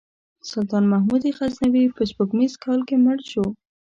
سلطان محمود غزنوي په سپوږمیز کال کې مړ شو.